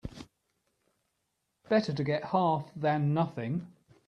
Better to get half than nothing.